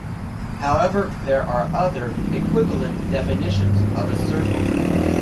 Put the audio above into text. However, there are other, equivalent definitions of a circle.